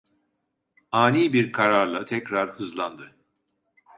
Ani bir kararla tekrar hızlandı.